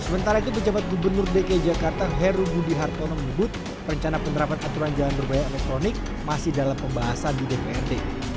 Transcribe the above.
sementara itu pejabat gubernur dki jakarta heru budi hartono menyebut rencana penerapan aturan jalan berbahaya elektronik masih dalam pembahasan di dprd